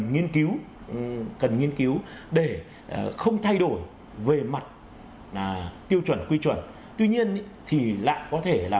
nghiên cứu cần nghiên cứu để không thay đổi về mặt tiêu chuẩn quy chuẩn tuy nhiên thì lại có thể là